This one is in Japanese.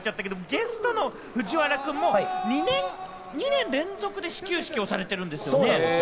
ゲストの藤原君も２年連続で始球式をされてるんですよね？